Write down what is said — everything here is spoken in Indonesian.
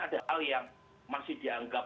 ada hal yang masih dianggap